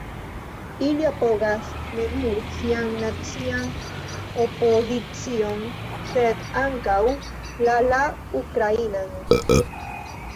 Ili apogas ne nur sian nacian opozicion sed ankaŭ la la ukrainan.